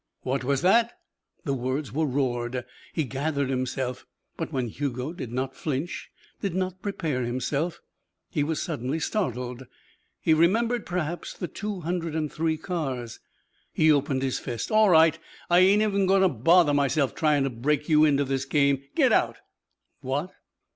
"What was that?" The words were roared. He gathered himself, but when Hugo did not flinch, did not prepare himself, he was suddenly startled. He remembered, perhaps, the two hundred and three cars. He opened his fist. "All right. I ain't even goin' to bother myself tryin' to break you in to this game. Get out." "What?"